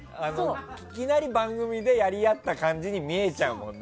いきなり番組でやり合った感じに見えちゃうもんね。